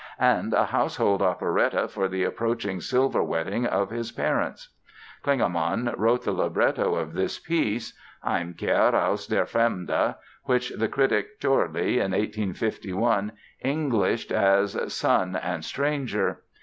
and a household operetta for the approaching silver wedding of his parents. Klingemann wrote the libretto of this piece ("Heimkehr aus der Fremde", which the critic Chorley in 1851 Englished as "Son and Stranger").